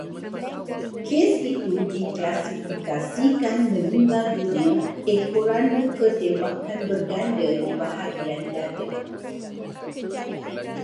Kes itu diklasifikasikan meninggal dunia ekoran luka tembakan berganda di bahagian dada